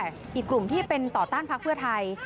อีกกลุ่มที่เป็นต่อต้านพักเพื่อไทย